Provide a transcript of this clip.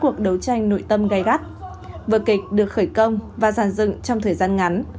cuộc đấu tranh nội tâm gây gắt vợ kịch được khởi công và giàn dựng trong thời gian ngắn